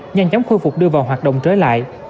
nhanh chóng khôi phục đưa vào hoạt động trở lại